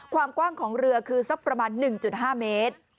ความกว้างของเรือคือสักประมาณ๑๕เมตร